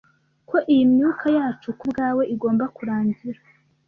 Ko iyi myuka yacu kubwawe igomba kurangira,